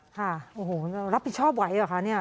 ค่ะโอ้โหเรารับผิดชอบไว้เหรอคะเนี่ย